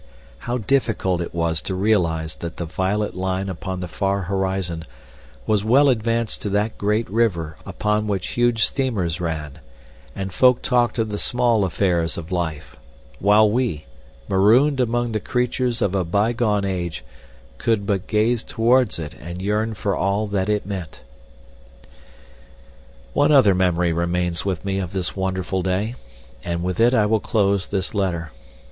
How difficult it was to realize that the violet line upon the far horizon was well advanced to that great river upon which huge steamers ran, and folk talked of the small affairs of life, while we, marooned among the creatures of a bygone age, could but gaze towards it and yearn for all that it meant! One other memory remains with me of this wonderful day, and with it I will close this letter.